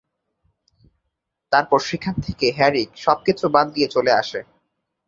তারপর সেখান থেকে হ্যারি সবকিছু বাদ দিয়ে চলে আসে।